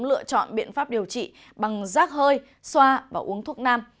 lựa chọn biện pháp điều trị bằng rác hơi xoa và uống thuốc nam